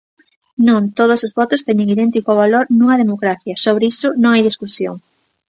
Non; todos os votos teñen idéntico valor nunha democracia; sobre iso non hai discusión.